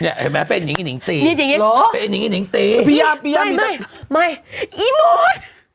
อีโหมด